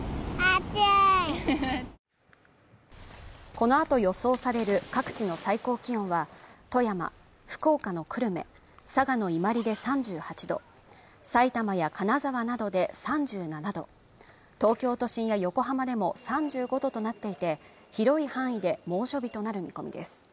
このあと予想される各地の最高気温は富山、福岡の久留米佐賀の伊万里で３８度さいたまや金沢などで３７度東京都心や横浜でも３５度となっていて広い範囲で猛暑日となる見込みです